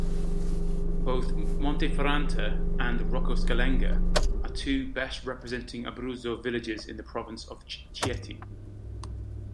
Both Monteferrante and Roccascalegna are two best-representing Abruzzo villages in the province of Chieti.